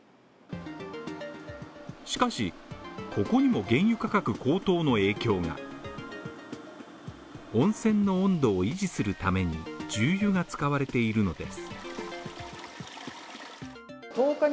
しかし、ここにも原油価格高騰の影響が温泉の温度を維持するために、重油が使われているのです。